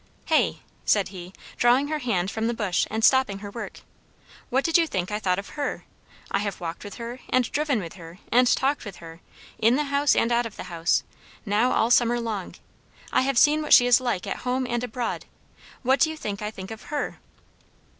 "Hey!" said he, drawing her hand from the bush and stopping her work; "what did you think I thought of her? I have walked with her, and driven with her, and talked with her, in the house and out of the house, now all summer long; I have seen what she is like at home and abroad; what do you think I think of _her?